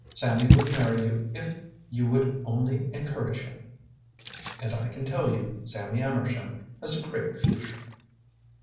"Sammy would marry you if you would only encourage him. And I can tell you, Sammy Amersham has a great future."